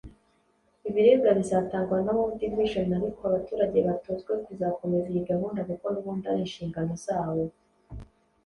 ibiribwa bizatangwa na World Vision ariko abaturage batozwe kuzakomeza iyi gahunda kuko n’ubundi ari inshingano zabo